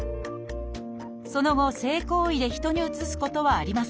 その後性行為で人にうつすことはありません。